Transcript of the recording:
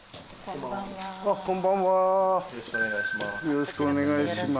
よろしくお願いします。